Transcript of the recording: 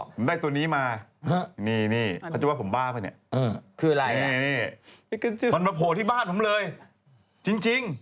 ผมได้ตัวนี้มานี่เขาจะว่าผมบ้าไปเนี่ยคืออะไรนี่มันมาโผล่ที่บ้านผมเลยจริง